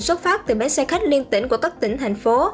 xuất phát từ bến xe khách liên tỉnh của các tỉnh thành phố